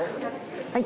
はい